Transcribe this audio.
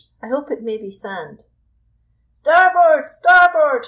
"I hope it may be sand." "Starboard, starboard!"